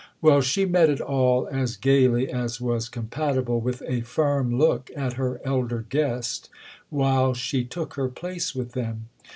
Well, she met it all as gaily as was compatible with a firm look at her elder guest while she took her place with them.